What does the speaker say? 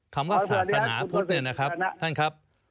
คำว่าศาสนาพุทธท่านครับ